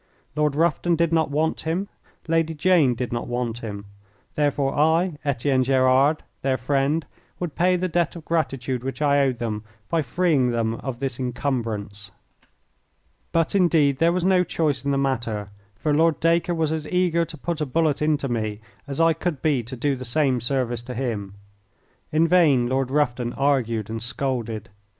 Lord Rufton did not want him. Lady Jane did not want him. Therefore, I, Etienne Gerard, their friend, would pay the debt of gratitude which I owed them by freeing them of this encumbrance. But, indeed, there was no choice in the matter, for Lord Dacre was as eager to put a bullet into me as I could be to do the same service to him. In vain Lord Rufton argued and scolded.